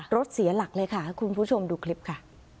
รถเสียหลักเลยค่ะคุณผู้ชมดูคลิปค่ะ